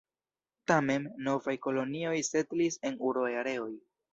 Tamen, novaj kolonioj setlis en urbaj areoj.